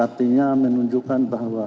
artinya menunjukkan bahwa